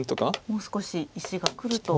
もう少し石がくると。